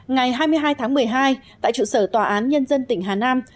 ngày hai mươi hai tháng một mươi hai tại trụ sở tòa án nhân dân tỉnh hà nam